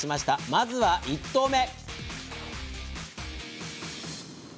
まずは、１投目。